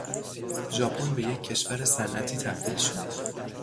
ژاپن به یک کشور صنعتی تبدیل شد.